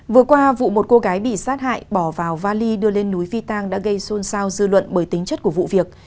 vừa qua vụ một cô gái bị sát hại bỏ vào vali đưa lên núi phi tang đã gây xôn xao dư luận bởi tính chất của vụ việc